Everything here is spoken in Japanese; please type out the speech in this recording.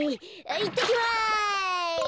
いってきます。